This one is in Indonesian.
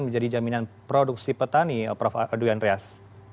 menjadi jaminan produksi petani prof duya andreas